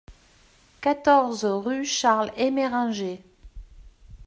quatorze rue Charles Emeringer